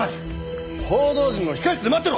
報道陣は控え室で待ってろ！